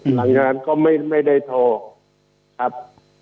หลังจากนั้นก็ไม่ได้โทรครับ